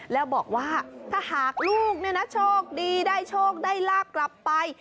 แล้วบอกว่าถ้าหากลูกโชคดีได้โชคได้ลาบกลับไป